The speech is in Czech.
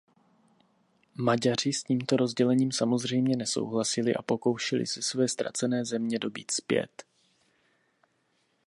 Maďaři s tímto rozdělením samozřejmě nesouhlasili a pokoušeli se své ztracené země dobýt zpět.